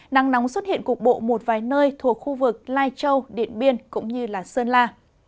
nắng nóng xuất hiện cục bộ một vài nơi thuộc khu vực lai châu điện biên cũng như sơn la